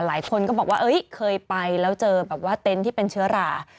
หลายคนก็บอกว่าเคยไปแล้วเจอแบบว่าเต็นต์ที่เป็นเชื้อรา